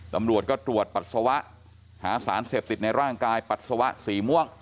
ตำรวจก็ตรวจปัสสาวะหาสารเสพติดในร่างกายปัสสาวะสีม่วง